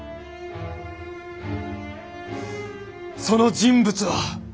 その人物は。